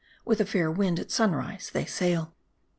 WITH A FAIR WIND, AT SUNRISE THEY SAIL.